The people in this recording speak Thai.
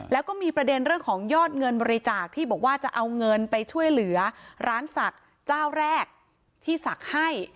แล้วก็มีประเด็นเรื่องของยอดเงินบริจาคที่บอกว่าจะเอาเงินไปช่วยเหลือร้านศักดิ์เจ้าแรกที่ศักดิ์ให้